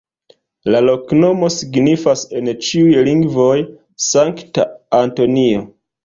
La loknomo signifas en ĉiuj lingvoj: Sankta Antonio.